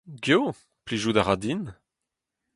Eo, plijout a ra din.